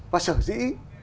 và sở dĩ